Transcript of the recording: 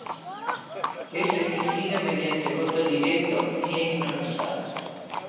Es elegido mediante voto directo y universal.